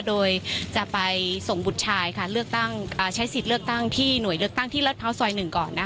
โดยจะไปส่งบุตรชายค่ะเลือกตั้งใช้สิทธิ์เลือกตั้งที่หน่วยเลือกตั้งที่รัฐพร้าวซอย๑ก่อน